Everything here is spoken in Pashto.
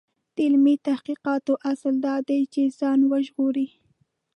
د علمي تحقیقاتو اصل دا دی چې ځان وژغوري.